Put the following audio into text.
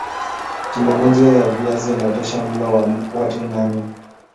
kilo moja ya viazi inatosha mlo wa watu nne